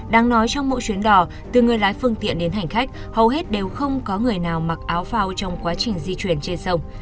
đáng nói trong mỗi chuyến đò từ người lái phương tiện đến hành khách hầu hết đều không có người nào mặc áo phao trong quá trình di chuyển trên sông